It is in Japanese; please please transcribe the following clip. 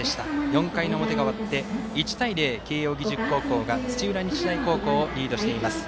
４回の表が終わって１対０、慶応義塾高校が土浦日大高校をリードしています。